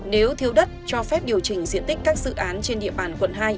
nếu thiếu đất cho phép điều chỉnh diện tích các dự án trên địa bàn quận hai